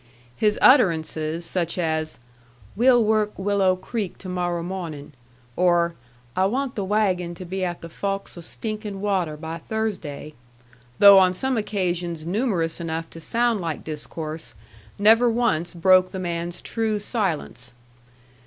His utterances, such as, "We'll work Willo' Creek to morro' mawnin'," or, "I want the wagon to be at the fawks o' Stinkin' Water by Thursday," though on some occasions numerous enough to sound like discourse, never once broke the man's true silence.